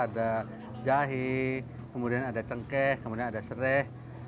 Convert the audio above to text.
ada jahe kemudian ada cengkeh kemudian ada serai